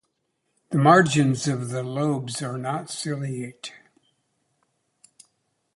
The margins of the lobes are not ciliate.